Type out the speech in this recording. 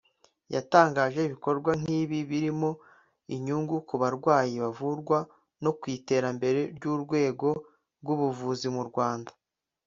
yatangaje ibikorwa nk’ibi birimo inyungu ku barwayi bavurwa no ku iterambere ry’urwego rw’ubuvuzi mu Rwanda